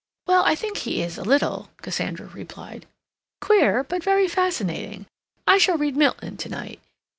"Well, I think he is a little," Cassandra replied. "Queer, but very fascinating. I shall read Milton to night.